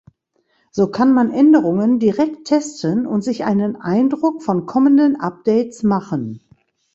So kann man Änderungen direkt testen und sich einen Eindruck von kommenden Updates machen.